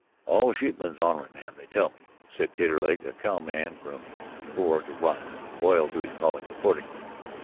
"All sheepmen's onery, ma'am, they tell me," said Taterleg, a cowman now from core to rind, and loyal to his calling accordingly.